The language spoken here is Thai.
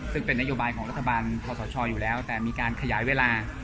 ซึ่งเป็นนโยบายของรัฐบาลพศอยู่แล้วแต่มีการขยายเวลา